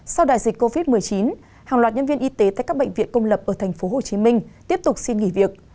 sau đại dịch covid một mươi chín hàng loạt nhân viên y tế tại các bệnh viện công lập ở tp hcm tiếp tục xin nghỉ việc